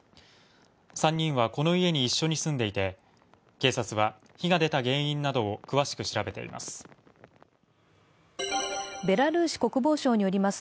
３人はこの家に一緒に住んでいて警察は火が出た原因などを詳しく調べています。